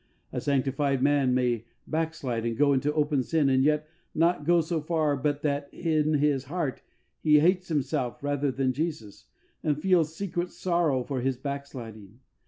A sanctified man may backslide and go into open sin and yet not go so far but that in his heart he hates himself rather than Jesus, and feels secret sorrow for his backsliding.